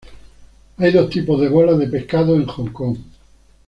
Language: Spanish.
Hay dos tipos de bolas de pescado en Hong Kong.